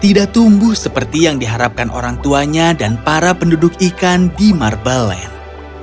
tidak tumbuh seperti yang diharapkan orang tuanya dan para penduduk ikan di marbelan